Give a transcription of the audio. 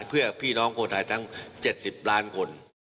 เพื่อพี่น้องคนไทยทั้ง๗๐ล้านคน